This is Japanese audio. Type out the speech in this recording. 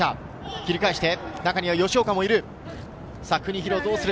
切り返して中には吉岡もいる。